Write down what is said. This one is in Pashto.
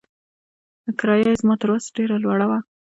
کرايه يې زما تر وس ډېره لوړه وه.